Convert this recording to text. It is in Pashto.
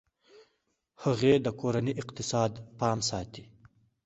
هغې د کورني اقتصاد پام ساتي.